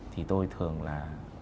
thì tôi thường là